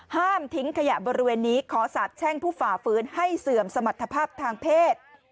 ห้ามทิ้งขยะบริเวณนี้ขอสาบแช่งผู้ฝ่าฟื้นให้เสื่อมสมรรถภาพทางเพศ